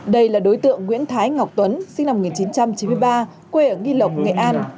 đây là đối tượng nguyễn thái ngọc tuấn sinh năm một nghìn chín trăm chín mươi ba quê ở nghi lộc nghệ an